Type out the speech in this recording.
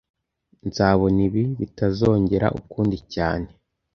Nzabona ibi bitazongera ukundi cyane